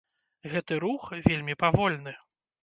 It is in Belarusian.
Гэты рух вельмі павольны.